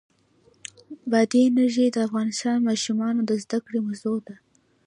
بادي انرژي د افغان ماشومانو د زده کړې موضوع ده.